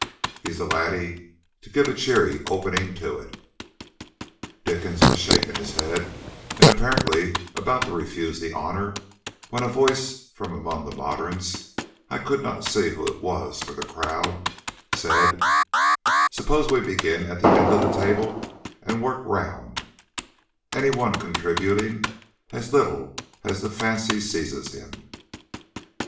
He's the laddie to give a cheery opening to it." Dickens was shaking his head, and apparently about to refuse the honour, when a voice from among the moderns I could not see who it was for the crowd said: "Suppose we begin at the end of the table and work round, any one contributing a little as the fancy seizes him?"